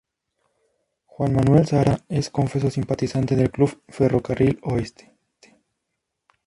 Juan Manuel Sara es confeso simpatizante del club Ferro Carril Oeste.